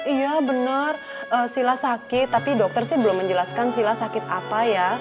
iya bener shilla sakit tapi dokter sih belum menjelaskan shilla sakit apa ya